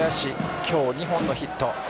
今日２本のヒット。